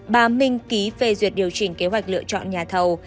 bà minh ký phê duyệt điều chỉnh kế hoạch lựa chọn nhà thầu